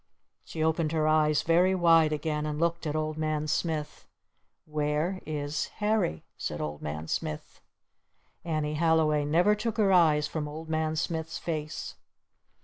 She opened her eyes very wide again and looked at Old Man Smith. "Where is Harry?" said Old Man Smith. Annie Halliway never took her eyes from Old Man Smith's face.